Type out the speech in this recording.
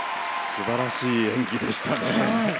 素晴らしい演技でしたね。